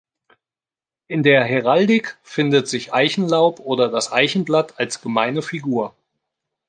In der Heraldik findet sich Eichenlaub oder das Eichenblatt als gemeine Figur.